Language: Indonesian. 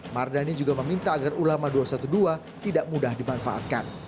mardani juga meminta agar ulama dua ratus dua belas tidak mudah dimanfaatkan